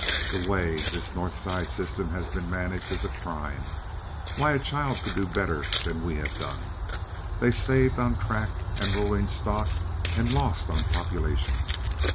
The way this North Side system has been managed is a crime. Why, a child could do better than we have done. They've saved on track and rolling stock, and lost on population.